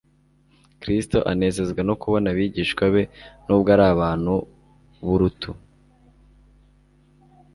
Kristo anezezwa no kubona abigishwa be nubwo ari abantu burutu,